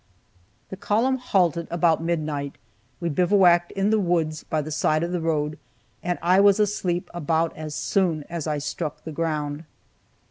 The column halted about midnight, we bivouacked in the woods by the side of the road, and I was asleep about as soon as I struck the ground.